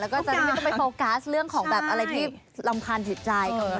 แล้วก็จะได้ไม่ต้องไปโฟกัสเรื่องของแบบอะไรที่รำคาญจิตใจ